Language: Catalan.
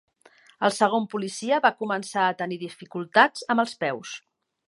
El segon policia va començar a tenir dificultats amb els peus.